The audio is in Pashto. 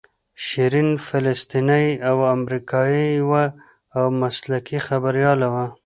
شیرین فلسطینۍ او امریکایۍ وه او مسلکي خبریاله وه.